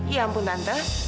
ya ampun tante